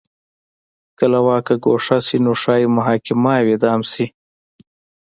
که له واکه ګوښه شي نو ښايي محاکمه او اعدام شي.